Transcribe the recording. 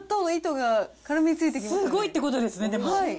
すごいってことですね、でも。